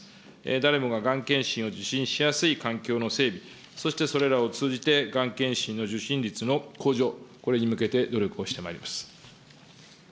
誰もががん検診を受診しやすい環境の整備、そしてそれらを通じてがん検診の受診率の向上、これに向けて努力をしてまいります。